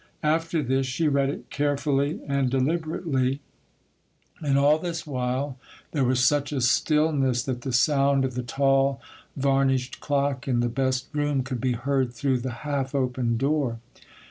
After this she read it carefully and deliberately; and all this while there was such a stillness, that the sound of the tall varnished clock in the best room could be heard through the half opened door.